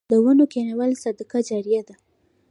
د ونو کینول صدقه جاریه ده